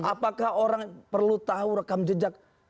apakah orang perlu tahu rekam jejak